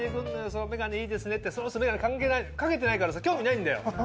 「その眼鏡いいですね」ってその人眼鏡掛けてないからさ興味ないんだよ。